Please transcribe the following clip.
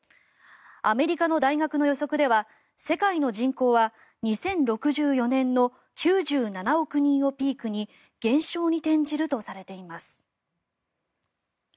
アメリカの大学の予測では世界の人口は２０６４年の９７億人をピークに減少に転じるとされています。